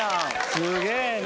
すげぇな。